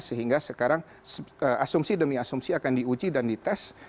sehingga sekarang asumsi demi asumsi akan diuji dan dites